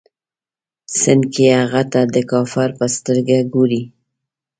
سنډکي هغه ته د کافر په سترګه ګوري.